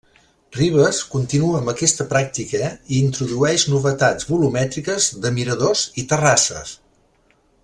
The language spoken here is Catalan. Ribes continua amb aquesta pràctica, i introdueix novetats volumètriques de miradors i terrasses.